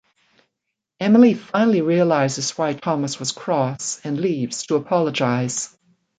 Emily finally realises why Thomas was cross, and leaves to apologise.